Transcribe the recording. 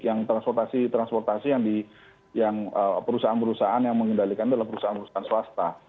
yang transportasi transportasi yang perusahaan perusahaan yang mengendalikan itu adalah perusahaan perusahaan swasta